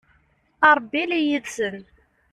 a rebbi ili yid-sen